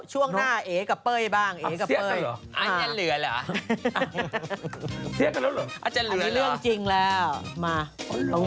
ช่วงหน้าเอ๊กกับเป่ยบ้าง